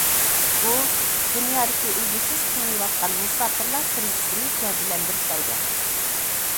بۇ دۇنيادىكى ئۈزلۈكسىز كېڭىيىۋاتقان مۇساپىرلار كىرىزىسىنى گەۋدىلەندۈرۈپ بەرگەن.